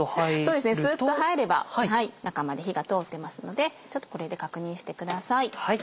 そうですねスッと入れば中まで火が通ってますのでこれで確認してください。